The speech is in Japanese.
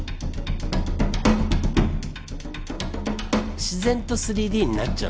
自然と３Ｄになっちゃうんですよ。